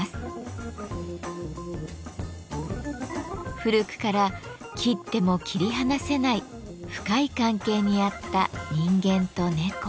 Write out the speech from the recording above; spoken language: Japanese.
古くから切っても切り離せない深い関係にあった人間と猫。